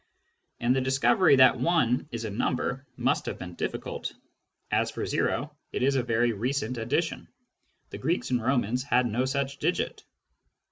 And the discovery that 1 is a number must have been difficult. As for o, it is a very recent addition ; the Greeks and Romans had no such digit.